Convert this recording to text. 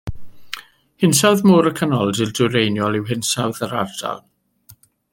Hinsawdd Môr y Canoldir Dwyreiniol yw hinsawdd yr ardal.